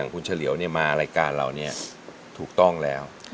คุณเฉลียวมารายการเราถูกต้องแล้ว